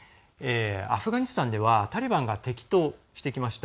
アフガニスタンではタリバンが敵としてきました